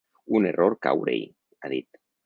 Un error caure-hi, ha dit.